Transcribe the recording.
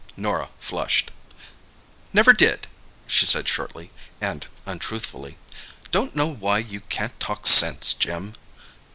Norah flushed. "Never did," she said shortly, and untruthfully. "Don't know why you can't talk sense, Jim!"